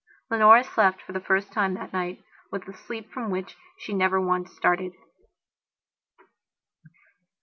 Leonora slept for the first time that night with a sleep from which she never once started.